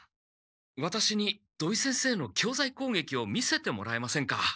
ワタシに土井先生の教材攻撃を見せてもらえませんか？